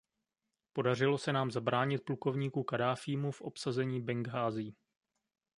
Podařilo se nám zabránit plukovníku Kaddáfímu v obsazení Benghází.